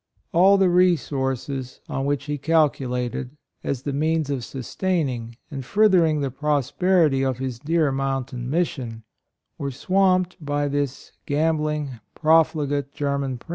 All the resources on which he calculated, as the means of sustaining and fur thering the prosperity of his dear mountain mission, were swamped by this gambling, profligate Ger man Prince.